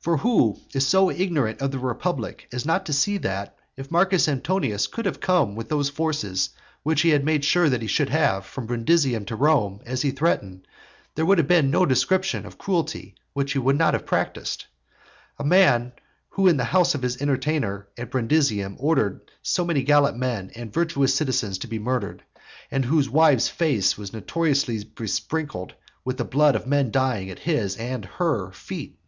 For who is so ignorant of public affairs, so entirely indifferent to all thoughts of the republic, as not to see that, if Marcus Antonius could have come with those forces which he made sure that he should have, from Brundusium to Rome, as he threatened, there would have been no description of cruelty which he would not have practised? A man who in the house of his entertainer at Brundusium ordered so many most gallant men and virtuous citizens to be murdered, and whose wife's face was notoriously besprinkled with the blood of men dying at his and her feet.